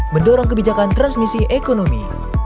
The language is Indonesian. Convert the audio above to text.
mendorong kebijakan transmisi ekonomi